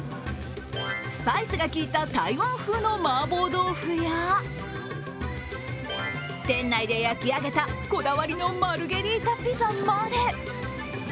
スパイスがきいた台湾風のマーボー豆腐や店内で焼き上げた、こだわりのマルゲリータピザまで。